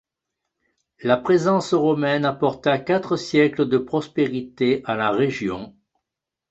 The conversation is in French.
La présence romaine apporta quatre siècles de prospérité à la région.